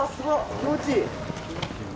気持ちいい！